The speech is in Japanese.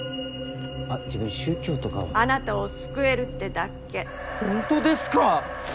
あっ自分宗教とかはあなたを救えるってだけホントですか？